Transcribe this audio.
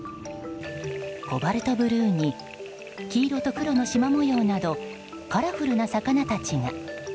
コバルトブルーに黄色と黒のしま模様などカラフルな魚たちが。